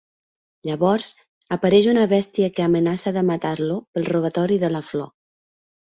Llavors, apareix una bèstia que amenaça de matar-lo pel robatori de la flor.